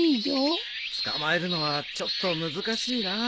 捕まえるのはちょっと難しいな。